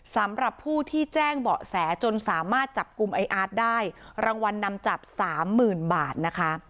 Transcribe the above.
สำหรับผู้ที่แจ้งเบาะแสจนสามารถจับกลุ่มไอ้อาร์ตได้รางวัลนำจับสามหมื่นบาทนะคะ